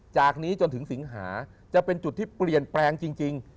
จากนี้จนถึงสิงหาจะเป็นจุดที่เปลี่ยนแปลงจริง